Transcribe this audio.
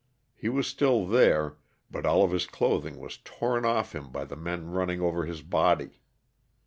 He was still there but all of his clothing was torn off him by the men running over his body.